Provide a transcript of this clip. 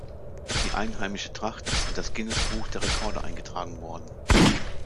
Die einheimische Tracht ist in das Guinness-Buch der Rekorde eingetragen worden.